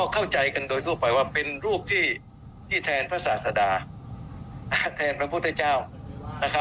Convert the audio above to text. เข้าใจกันโดยทั่วไปว่าเป็นรูปที่แทนพระศาสดาแทนพระพุทธเจ้า